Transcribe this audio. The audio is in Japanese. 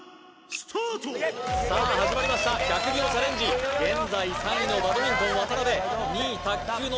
さあ始まりました１００秒チャレンジ現在３位のバドミントン渡辺２位卓球の